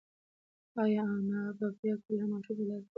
ایا انا به بیا کله هم ماشوم ته لاس پورته کړي؟